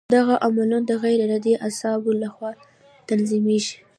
دغه عملونه د غیر ارادي اعصابو له خوا تنظیمېږي.